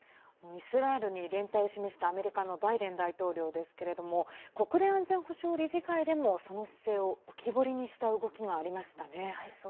イスラエルに連帯を示したアメリカのバイデン大統領ですが国連安全保障理事会でもその姿勢を浮き彫りにした動きがありましたね。